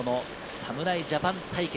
侍ジャパン対決。